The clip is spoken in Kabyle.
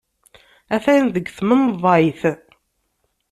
Atan deg tmenḍayt.